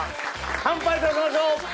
乾杯いたしましょう！